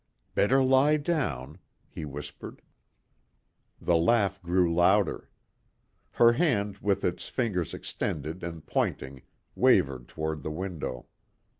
"Better lie down," he whispered. The laugh grew louder. Her hand with its fingers extended and pointing, wavered toward the window.